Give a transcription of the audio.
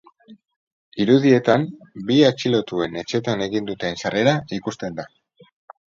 Irudietan bi atxilotuen etxeetan egin duten sarrera ikusten da.